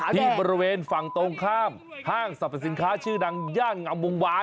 ที่บริเวณฝั่งตรงข้ามห้างสรรพสินค้าชื่อดังย่านงามวงวาน